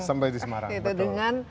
sampai di semarang